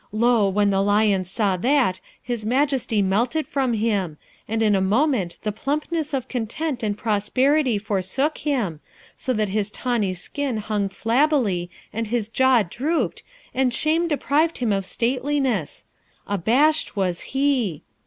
Lo! when the lion saw that, the majesty melted from him, and in a moment the plumpness of content and prosperity forsook him, so that his tawny skin hung flabbily and his jaw drooped, and shame deprived him of stateliness; abashed was he!